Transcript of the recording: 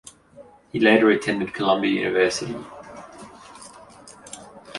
He later attended Columbia University.